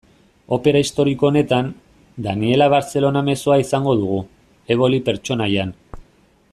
Opera historiko honetan, Daniella Barcellona mezzoa izango dugu, Eboli pertsonaian.